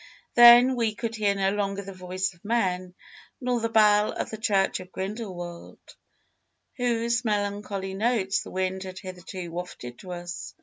Then we could hear no longer the voice of men, nor the bell of the church of Grindelwald, whose melancholy notes the wind had hitherto wafted to us.